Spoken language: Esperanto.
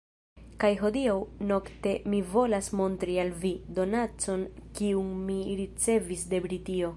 Kaj hodiaŭ nokte mi volas montri al vi, donacon kiun mi ricevis de Britio.